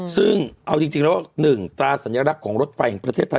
ซึ่งเอาจริงแล้ว๑ตราสัญลักษณ์ของรถไฟแห่งประเทศไทย